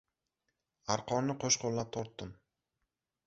Arqonni qo‘shqo‘llab tortdim.